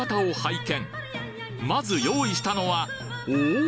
まず用意したのはおぉ！